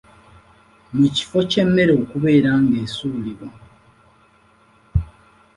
Mu kifo ky’emmere okubeera ng’esuulibwa.